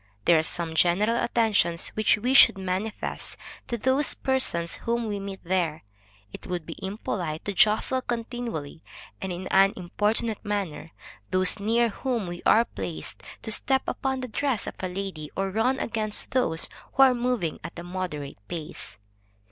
There are some general attentions which we should manifest to those persons whom we meet there. It would be impolite to jostle continually, and in an importunate manner, those near whom we are placed, to step upon the dress of a lady, or run against those who are moving at a moderate pace.